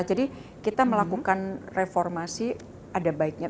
jadi kita melakukan reformasi ada baiknya